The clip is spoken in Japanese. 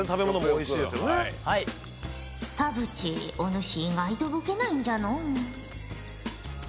お主意外とボケないんじゃのう。